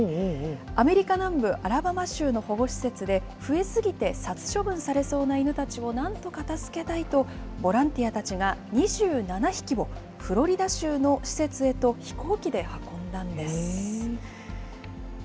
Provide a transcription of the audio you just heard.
アメリカ南部アラバマ州の保護施設で、増え過ぎて殺処分されそうな犬たちをなんとか助けたいと、ボランティアたちが、２７匹をフロリダ州の施設へと飛行機で運んだんです。